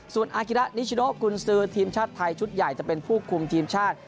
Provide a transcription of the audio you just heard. ส่วนอากิระนิชโนกุญซือทีมชาติไทยชุดใหญ่จะเป็นผู้คุมทีมชาติ